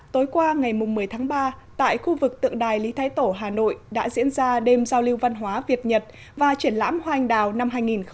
tối qua ngày một mươi tháng ba tại khu vực tượng đài lý thái tổ hà nội đã diễn ra đêm giao lưu văn hóa việt nhật và triển lãm hoa anh đào năm hai nghìn một mươi chín